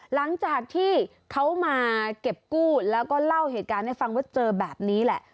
หลังจากที่เขามาเก็บกู้แล้วก็เล่าเหตุการณ์ให้ฟังว่าเจอแบบนี้แหละ